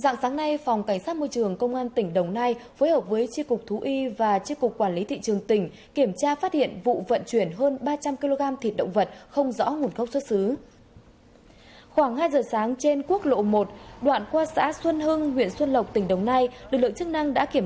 các bạn hãy đăng ký kênh để ủng hộ kênh của chúng mình nhé